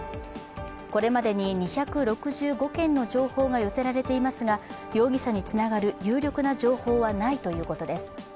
これまでに２６５件の情報が寄せられていますが容疑者につながる有力な情報はないということです。